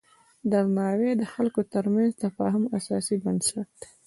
درناوی د خلکو ترمنځ د تفاهم اساسي بنسټ دی.